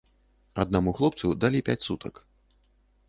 Аднаму хлопцу далі пяць сутак.